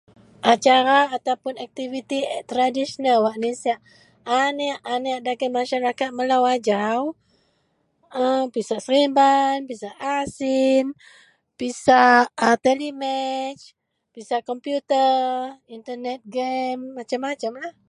Acara ataupun aktiviti tradisi tradsional wak nisak aniek-aniek dagen masyarakat melo ajau pisak serimban, pisak gasing, pisak asin, pisak komputer, pisak telematch, pisak komputer internat game, macam macam lah.